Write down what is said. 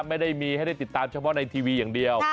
ไม่ได้มีให้ได้ติดตามเฉพาะในทีวีอย่างเดียว